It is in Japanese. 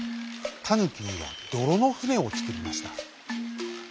タヌキにはどろのふねをつくりました。